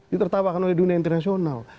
ditertawakan oleh dunia internasional